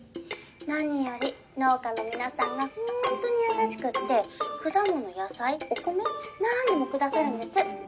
何より農家の皆さんがホントに優しくって果物野菜お米なんでも下さるんです。